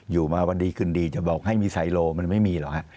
อยู่มาวันดีคืนดีจะบอกให้มีไซโลมันไม่มีหรอกฮะ